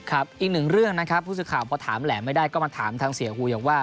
อีกหนึ่งเรื่องนะครับผู้สื่อข่าวพอถามแหลมไม่ได้ก็มาถามทางเสียหุยบอกว่า